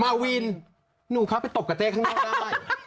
มาวินหนูเข้าไปตบกับเต้ข้างนอกได้